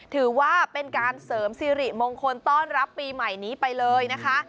ถือว่าเป็นการเสริมสิริมงคลต้อนรับปีใหม่นี้ไปเลยนะคะ